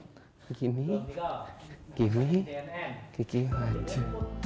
seperti ini kini kekini maju